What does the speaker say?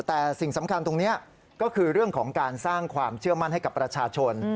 แต่สิ่งสำคัญตรงนี้ก็คือเรื่องของการสร้างความเชื่อมั่นให้กับประชาชน